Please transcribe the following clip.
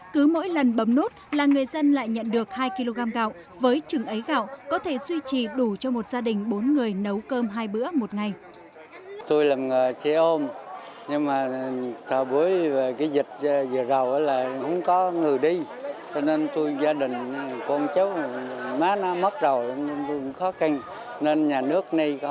cứ mỗi lần bấm nút là người dân lại nhận được hai kg gạo với trứng ấy gạo có thể suy trì đủ cho một gia đình bốn người nấu cơm hai bữa một ngày